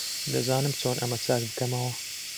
دەزانم چۆن ئەمە چاک بکەمەوە.